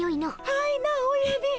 はいなおやびん。